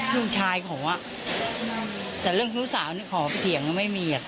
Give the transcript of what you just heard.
ลูกชายขอแต่เรื่องผู้สาวนี่ขอไปเถียงก็ไม่มีอ่ะ